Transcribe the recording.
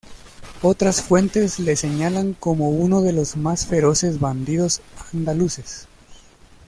Otras fuentes le señalan como uno de los más feroces bandidos andaluces.